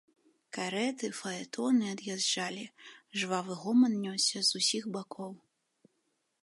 Карэты, фаэтоны ад'язджалі, жвавы гоман нёсся з усіх бакоў.